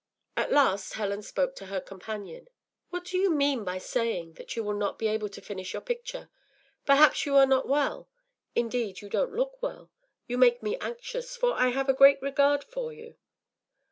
At last Helen spoke to her companion. “What do you mean by saying that you will not be able to finish your picture? Perhaps you are not well. Indeed, you don’t look well. You make me anxious, for I have a great regard for you.